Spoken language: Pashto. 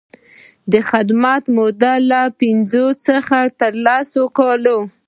د خدمت موده له پنځه څخه تر لس کلونو.